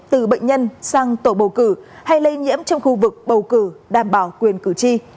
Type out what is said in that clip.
từ bệnh nhân sang tổ bầu cử hay lây nhiễm trong khu vực bầu cử đảm bảo quyền cử tri